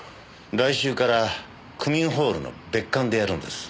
来週から区民ホールの別館でやるんです。